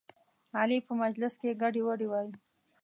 علي په مجلس کې ګډې وډې وایي.